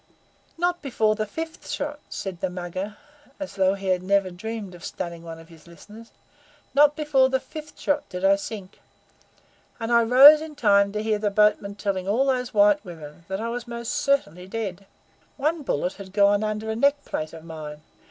"Not before the fifth shot," said the Mugger, as though he had never dreamed of stunning one of his listeners "not before the fifth shot did I sink, and I rose in time to hear a boatman telling all those white women that I was most certainly dead. One bullet had gone under a neck plate of mine.